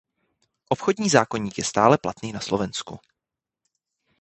Obchodní zákoník je stále platný na Slovensku.